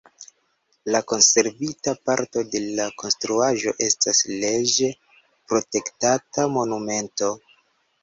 La konservita parto de la konstruaĵo estas leĝe protektata monumento.